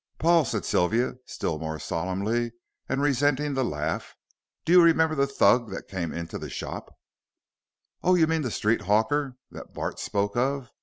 "Paul," said Sylvia, still more solemnly and resenting the laugh, "do you remember the Thug that came into the shop " "Oh, you mean the street hawker that Bart spoke of.